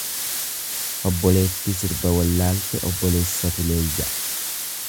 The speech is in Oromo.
Obboleettii sirba wallaalte obboleessatu yeella'a.